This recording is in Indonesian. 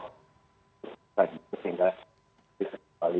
itu sehingga kita bisa melalui